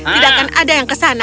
tidak akan ada yang ke sana